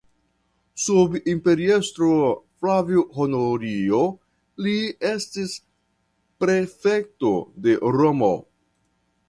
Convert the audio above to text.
Sub imperiestro Flavio Honorio li estis prefekto de Romo.